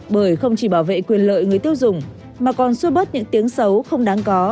bởi không chỉ bảo vệ quyền lợi người tiêu dùng mà còn xuôi bớt những tiếng xấu không đáng có